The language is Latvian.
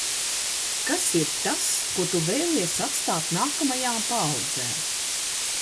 Kas ir tas, ko tu vēlies atstāt nākamajām paaudzēm?